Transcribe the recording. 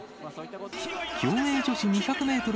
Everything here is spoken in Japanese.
競泳女子２００メートル